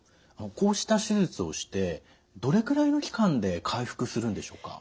こうした手術をしてどれくらいの期間で回復するんでしょうか。